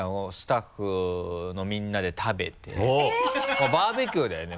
もうバーベキューだよね